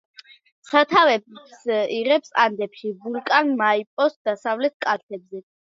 სათავეს იღებს ანდებში, ვულკან მაიპოს დასავლეთ კალთებზე.